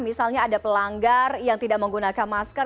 misalnya ada pelanggar yang tidak menggunakan masker